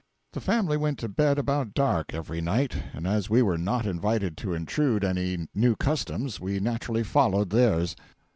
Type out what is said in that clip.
The family went to bed about dark every night, and as we were not invited to intrude any new customs, we naturally followed theirs.